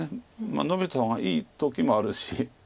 ノビた方がいい時もあるし。